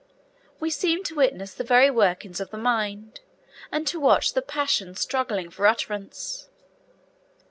We seem to witness the very workings of the mind, and to watch the passion struggling for utterance.